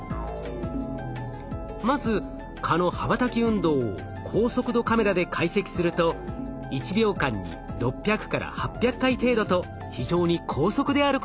まず蚊の羽ばたき運動を高速度カメラで解析すると１秒間に６００８００回程度と非常に高速であることが分かりました。